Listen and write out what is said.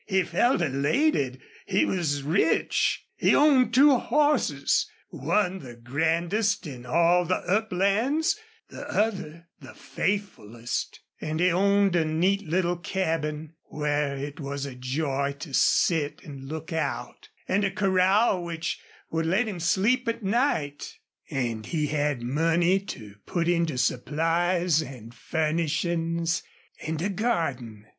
He felt elated. He was rich. He owned two horses one the grandest in all the uplands, the other the faithfulest and he owned a neat little cabin where it was a joy to sit and look out, and a corral which would let him sleep at night, and he had money to put into supplies and furnishings, and a garden.